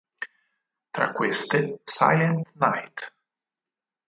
Tra queste, "Silent Night.